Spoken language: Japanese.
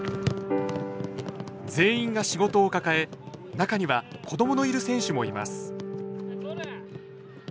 全員が仕事を抱え中には子どものいる選手もいます